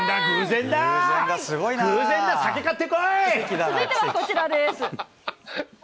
偶然だ、続いてはこちらです。